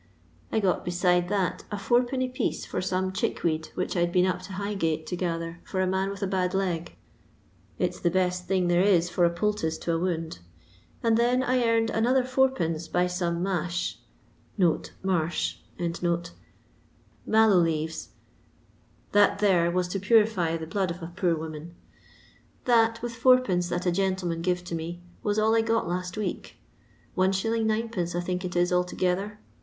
I got beside that a fouri>enny piece for some chickweed which I'd been up to Uighgato to gather for a man with a bad leg (it's the best thing there is for a poultice to a wound), and then I earned another Ad. by soaie mash (marsh) mal low leaves (that there was to purify the blood of a poor woman) : that, with id. that a gentleman give to me, was all I got last week ; \t. 9f/. I think it is altogether.